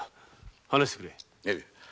話してくれ。